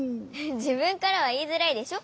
じぶんからはいいづらいでしょ？